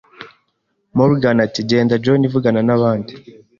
Morgan ati: “Genda, John.” “Vugana n'abandi.”